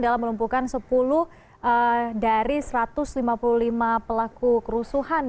dalam melumpukan sepuluh dari satu ratus lima puluh lima pelaku rusuhan saya kini